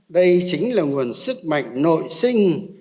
đây chính là nguồn sức mạnh nội sinh